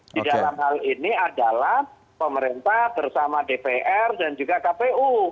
di dalam hal ini adalah pemerintah bersama dpr dan juga kpu